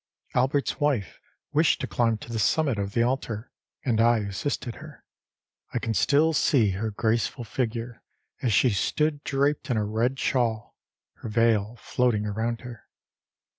Albertâs wife wished to climb to the summit of the altar, and I assisted her. I can still see her graceful figure as she stood draped in a red shawl, her veil floating around her.